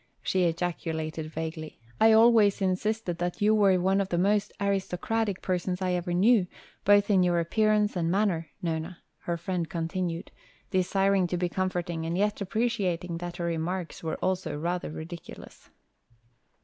she ejaculated vaguely. "I always insisted that you were one of the most aristocratic persons I ever knew, both in your appearance and manner, Nona," her friend continued, desiring to be comforting and yet appreciating that her remarks were also rather ridiculous.